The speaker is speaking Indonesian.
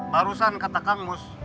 barusan kata kang mus